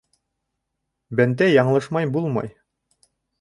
Бәндә яңылышмай булмай...